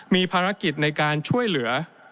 มีภารกิจในการช่วยเหลือ